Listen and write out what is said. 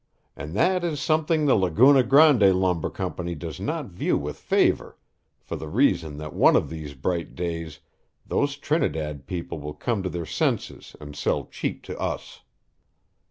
And that is something the Laguna Grande Lumber Company does not view with favour, for the reason that one of these bright days those Trinidad people will come to their senses and sell cheap to us.